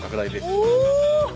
お！